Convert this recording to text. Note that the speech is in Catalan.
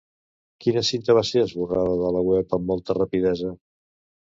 Quina cinta va ser esborrada de la web amb molta rapidesa?